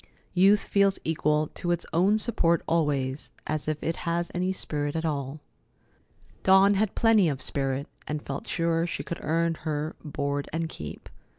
Youth feels equal to its own support always, if it has any spirit at all. Dawn had plenty of spirit, and felt sure she could earn her "board and keep."